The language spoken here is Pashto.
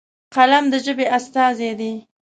قلم د ژبې استازی دی.